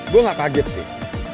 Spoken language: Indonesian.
gue nggak kaget sih